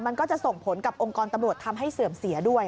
มันก็จะส่งผลกับองค์กรตำรวจทำให้เสื่อมเสียด้วย